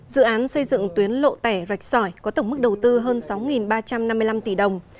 dự án xây dựng tuyến lộ tẻ rạch sỏi có tổng mức đầu tư hơn sáu ba trăm năm mươi năm tỷ đồng